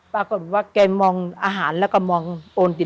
ปรากฏว่าแกมองอาหารแล้วก็มองโอนติน